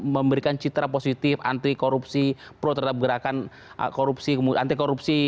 memberikan citra positif anti korupsi pro terhadap gerakan korupsi anti korupsi